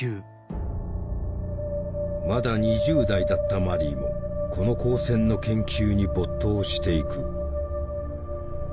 まだ２０代だったマリーもこの光線の研究に没頭していく。